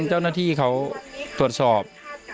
อะไรเจ้าที่เขาตรวจสอบ